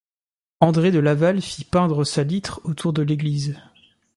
André de Laval fit peindre sa litre autour de l'église.